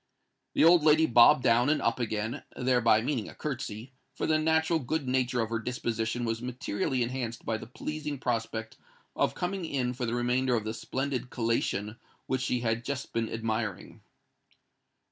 The old lady bobbed down and up again—thereby meaning a curtsey; for the natural good nature of her disposition was materially enhanced by the pleasing prospect of coming in for the remainder of the splendid collation which she had just been admiring.